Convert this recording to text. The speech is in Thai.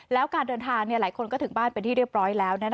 แล้วการเดินทางหลายคนก็ถึงบ้านเป็นที่เรียบร้อยแล้ว